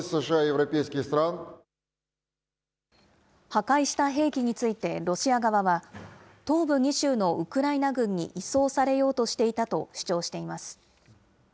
破壊した兵器について、ロシア側は、東部２州のウクライナ軍に移送されようとしていたと主張しています。